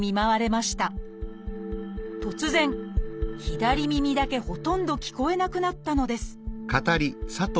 突然左耳だけほとんど聞こえなくなったのです